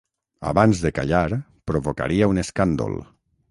Abans de callar, provocaria un escàndol.